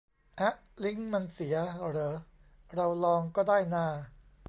อ๊ะ ลิงก์มันเสียเหรอ เราลองก็ได้นา